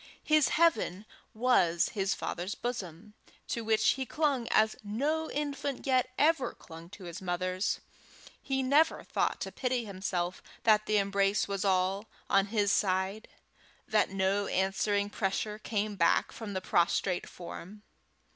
His heaven was his father's bosom, to which he clung as no infant yet ever clung to his mother's. He never thought to pity himself that the embrace was all on his side, that no answering pressure came back from the prostrate form.